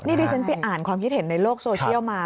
นี่ดิฉันไปอ่านความคิดเห็นในโลกโซเชียลมา